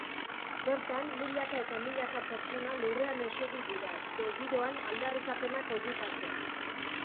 Bertan, milaka eta milaka pertsona lurrean eseri dira jai giroan aldarrikapenak oihukatzen.